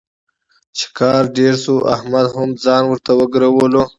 چې کار ډېر شو، احمد هم ځان ورته وګرولو.